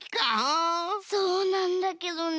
そうなんだけどね。